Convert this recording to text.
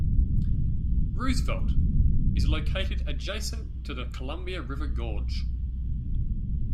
Roosevelt is located adjacent to the Columbia River Gorge.